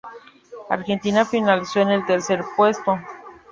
Argentina finalizó en el tercer puesto.